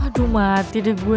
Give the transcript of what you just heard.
aduh mati deh gue